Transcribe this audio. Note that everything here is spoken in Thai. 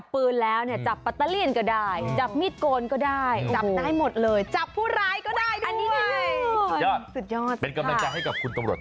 เป็นกำลังการให้กับคุณตำรวจ